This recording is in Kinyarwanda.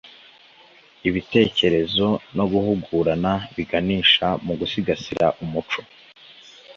ibitekerezo no guhugurana biganisha mu gusigasira umuco